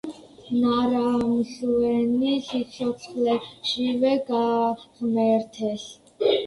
ნარამსუენი სიცოცხლეშივე გააღმერთეს.